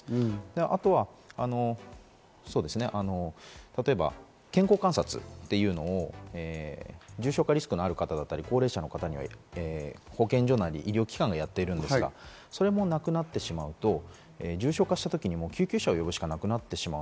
あとは健康観察というのを、重症化リスクのある方や高齢者、保健所なり医療機関がやっているんですが、それもなくなってしまうと、重症化した時に救急車を呼ぶしかなくなってしまう。